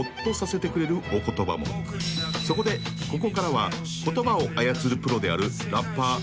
［そこでここからは言葉を操るプロである］